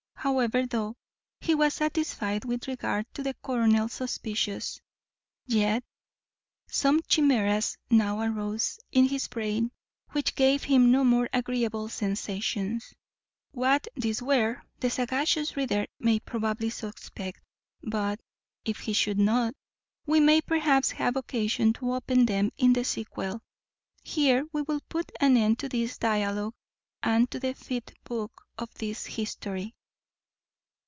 However, though he was satisfied with regard to the colonel's suspicions, yet some chimeras now arose in his brain which gave him no very agreeable sensations. What these were, the sagacious reader may probably suspect; but, if he should not, we may perhaps have occasion to open them in the sequel. Here we will put an end to this dialogue, and to the fifth book of this history.